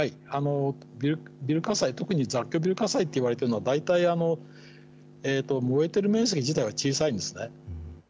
ビル火災、特に雑居ビル火災といわれているのは、大体燃えてる面積自体は小さいんですね。